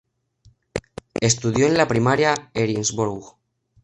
Estudió en la primaria Erinsborough.